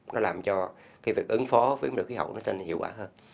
nó làm cho cái việc ứng phó với nước khí hậu trên hiệu quả hơn